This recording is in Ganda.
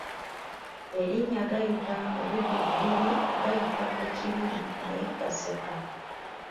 Erinnya Gayita mubujjuvu liri Gayita ku kibi ne gaseka.